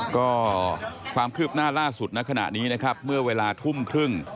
ก็ความคืบหน้าล่าสุดในขณะนี้นะครับเมื่อเวลาทุ่มครึ่ง